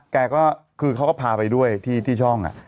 แกก็คือเขาก็พาไปด้วยที่ช่อง